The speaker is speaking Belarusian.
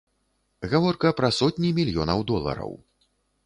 Гаворка пра сотні мільёнаў долараў.